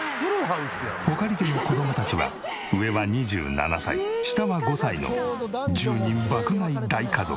穂苅家の子供たちは上は２７歳下は５歳の１０人爆買い大家族。